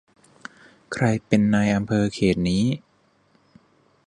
ใครเป็นนายอำเภอเขตนี้